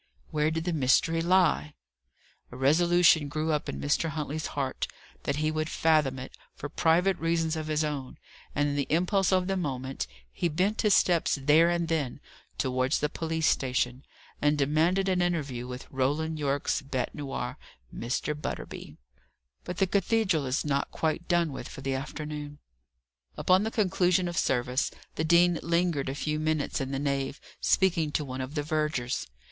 Where did the mystery lie? A resolution grew up in Mr. Huntley's heart that he would fathom it, for private reasons of his own; and, in the impulse of the moment, he bent his steps there and then, towards the police station, and demanded an interview with Roland Yorke's bête noire, Mr. Butterby. But the cathedral is not quite done with for the afternoon. Upon the conclusion of service, the dean lingered a few minutes in the nave, speaking to one of the vergers.